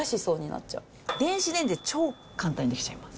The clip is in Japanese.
電子レンジで超簡単に出来ちゃいます。